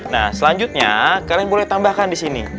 nah selanjutnya kalian boleh tambahkan di sini